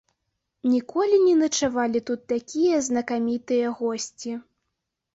Ніколі не начавалі тут такія знакамітыя госці.